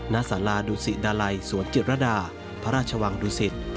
นาษาลาดูสิดาลัยสวนจิปรดาพระราชวังดูสิต